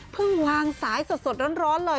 เพิ่งวางสายสดร้อนเลย